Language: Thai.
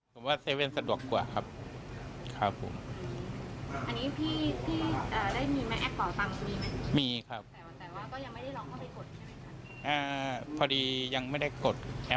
เราไม่เข้าใจอย่างไรก็ที่บรรยาย